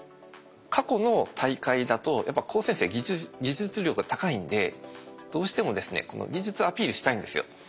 過去の大会だとやっぱ高専生技術力が高いんでどうしてもですね技術アピールしたいんですよ。